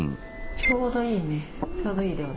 ちょうどいいねちょうどいい量だ。